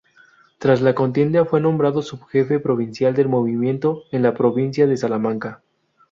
Tras la contienda fue nombrado subjefe provincial del Movimiento en la provincia de Salamanca.